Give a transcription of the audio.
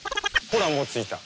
ほらもう着いた。